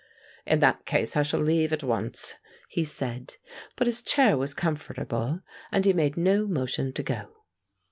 "In that case I shall leave at once," he said; but his chair was comfortable, and he made no motion to go.